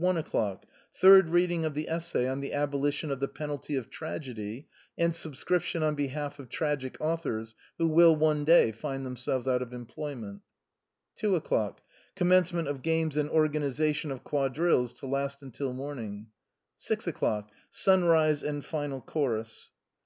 1.— Third reading of the essay on the "Abolition of the penalty of tragedy," and subscription on behalf of tragic authors who will one day find themselves out of employment. 2.— Commencement of games and organization of quadrilles to last until morning. 6. — Sunrise and final chorus.